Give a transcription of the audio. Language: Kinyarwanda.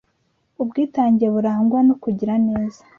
ubwitange burangwa no kugira neza